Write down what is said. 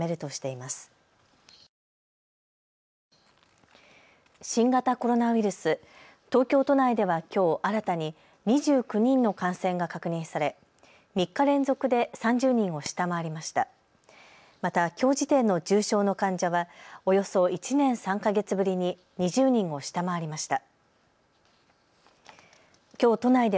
また、きょう時点の重症の患者はおよそ１年３か月ぶりに２０人を下回りました。